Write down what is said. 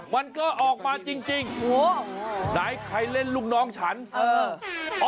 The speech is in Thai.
มันก็ออกมาจริงจริงโอ้โหไหนใครเล่นลูกน้องฉันเออ